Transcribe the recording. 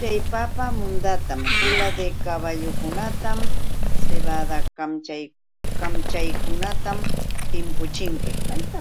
Chay papa mundatam kula de kaballukunawan sibada kamchakunawan timpuchinki.